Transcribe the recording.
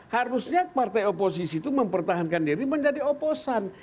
harusnya partai oposisi itu mempertahankan diri menjadi oposan